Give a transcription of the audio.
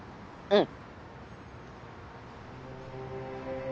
うん。